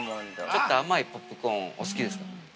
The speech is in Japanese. ◆ちょっと甘いポップコーンお好きですか。